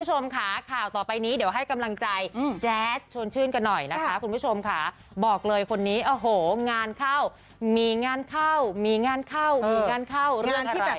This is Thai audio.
คุณผู้ชมค่ะข่าวต่อไปนี้เดี๋ยวให้กำลังใจแจ๊ดชวนชื่นกันหน่อยนะคะคุณผู้ชมค่ะบอกเลยคนนี้โอ้โหงานเข้ามีงานเข้ามีงานเข้ามีงานเข้าเรื่องที่แบบ